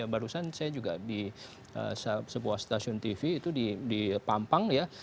barusan saya juga di sebuah stasiun tv itu di pampang ya